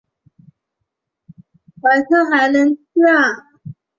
晚上还能吃啊